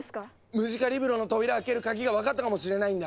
ムジカリブロの扉を開ける鍵がわかったかもしれないんだ！